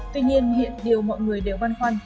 tuy nhiên hiện điều mọi người đều văn khoăn